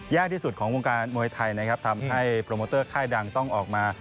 ที่สุดของวงการมวยไทยนะครับทำให้โปรโมเตอร์ค่ายดังต้องออกมา